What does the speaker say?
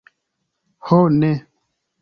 Ho ne!